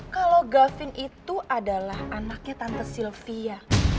kalau gavin itu adalah anaknya tante sylvia